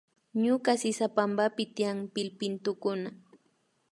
Ñuka sisapampapi tiyan pillpintukuna